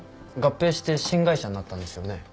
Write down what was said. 合併して新会社になったんですよね？